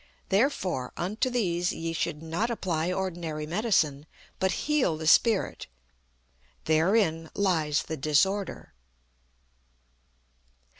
Therefore unto these ye should not apply ordinary medicine, but heal the spirit therein lies the disorder."